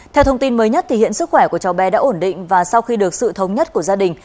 theo thông tin mới nhất hiện sức khỏe của cháu bé đã ổn định và sau khi được sự thống nhất của gia đình